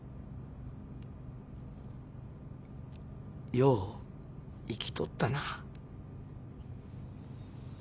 よう生きとったな。